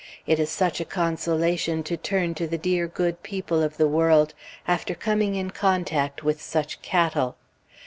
It is such a consolation to turn to the dear good people of the world after coming in contact with such cattle.